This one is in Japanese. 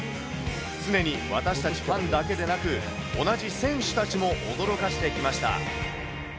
常に私たちファンだけでなく、同じ選手たちも驚かせてきました。